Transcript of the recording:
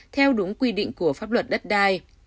theo đúng quy định của pháp luật đất đai